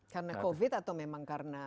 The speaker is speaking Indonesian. karena covid atau memang karena